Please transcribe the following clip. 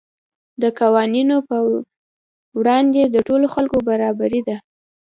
د قوانینو په وړاندې د ټولو خلکو برابري ده.